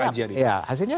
hasilnya yang pertama